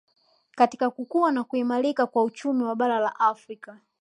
katika kukua na kuimarika kwa uchumi wa bara la Afrika